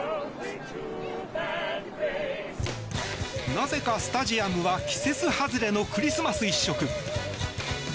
なぜかスタジアムは季節外れのクリスマス一色。